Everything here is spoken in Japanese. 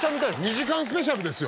２時間スペシャルですよ？